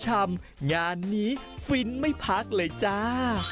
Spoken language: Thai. งานนี้ฟินไม่พักเลยจ้า